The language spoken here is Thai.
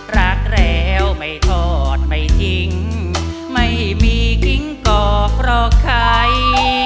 รักแล้วไม่ทอดไม่ทิ้งไม่มีทิ้งกอกหรอกใคร